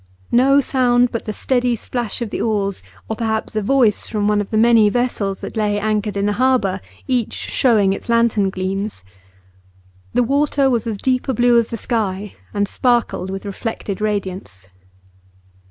No sound but the steady splash of the oars, or perhaps a voice from one of the many vessels that lay anchored in the harbour, each showing its lantern gleams. The water was as deep a blue as the sky, and sparkled with reflected radiance.